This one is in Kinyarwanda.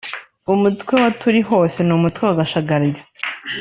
umutwe wa Turihose n’Umutwe wa Gashagari